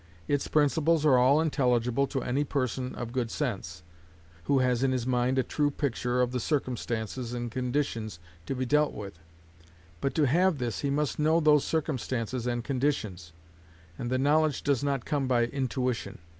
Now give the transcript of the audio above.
Its principles are all intelligible to any person of good sense, who has in his mind a true picture of the circumstances and conditions to be dealt with; but to have this he must know those circumstances and conditions; and the knowledge does not come by intuition.